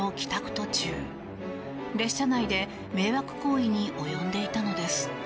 途中列車内で迷惑行為に及んでいたのです。